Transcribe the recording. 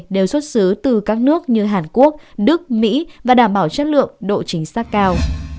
đều xuất xứ từ các nước như hàn quốc đức mỹ và đảm bảo chất lượng độ chính xác cao